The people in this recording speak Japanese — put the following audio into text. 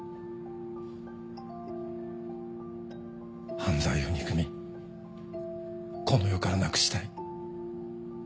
犯罪を憎みこの世からなくしたい。